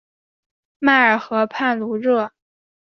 迈尔河畔卢热。